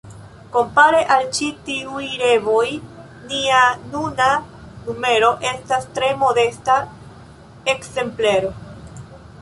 Kompare al ĉi tiuj revoj nia nuna numero estas tre modesta ekzemplero.